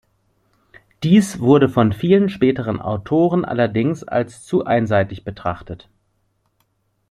Dies wurde von vielen späteren Autoren allerdings als zu einseitig betrachtet.